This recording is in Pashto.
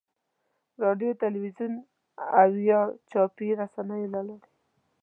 رادیو، تلویزیون او یا چاپي رسنیو له لارې.